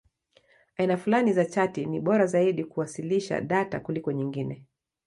Aina fulani za chati ni bora zaidi kwa kuwasilisha data kuliko nyingine.